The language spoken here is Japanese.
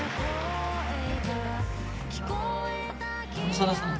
長田さん。